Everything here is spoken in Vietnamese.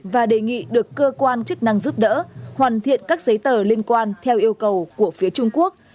và đề nghị được cơ quan chức năng giúp đỡ hoàn thiện các giấy tờ liên quan theo yêu cầu của phía trung quốc